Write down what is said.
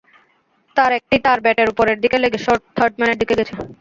তার একটি তাঁর ব্যাটের ওপরের দিকে লেগে শর্ট থার্ডম্যানের দিকে গেছে।